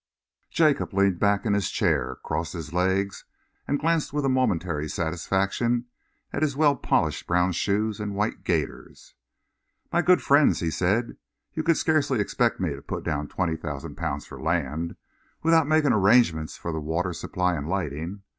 Jacob leaned back in his chair, crossed his legs, and glanced with a momentary satisfaction at his well polished brown shoes and white gaiters. "My good friends," he said, "you could scarcely expect me to put down twenty thousand pounds for land, without making arrangements for the water supply and lighting?